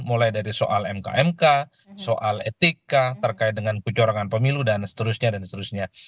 mulai dari soal mkmk soal etika terkait dengan kecorangan pemilu dan seterusnya